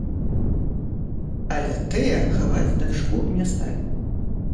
Але тыя хаваць дачку не сталі.